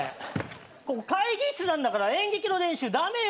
ここ会議室なんだから演劇の練習駄目よ。